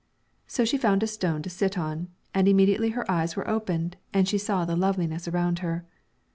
So she found a stone to sit on, and immediately her eyes were opened and she saw the loveliness around her.